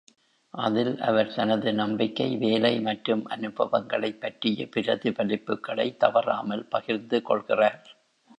அதில், அவர் தனது நம்பிக்கை, வேலை மற்றும் அனுபவங்களைப் பற்றிய பிரதிபலிப்புகளை தவறாமல் பகிர்ந்து கொள்கிறார்.